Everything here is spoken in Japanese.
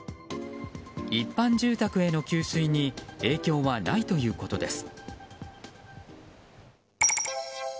一般住宅への給水に影響はないということです。